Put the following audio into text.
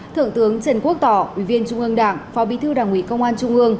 thượng tướng trần quốc tỏ ủy viên trung ương đảng phó bí thư đảng ủy công an trung ương